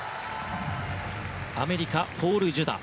アメリカ、ポール・ジュダ。